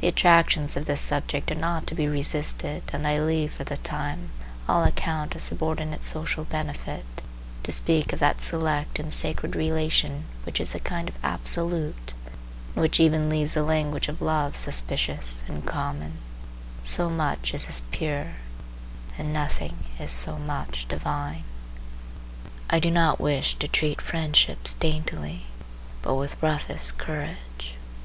The attractions of this subject are not to be resisted, and I leave, for the time, all account of subordinate social benefit, to speak of that select and sacred relation which is a kind of absolute, and which even leaves the language of love suspicious and common, so much is this purer, and nothing is so much divine. I do not wish to treat friendships daintily, but with roughest courage.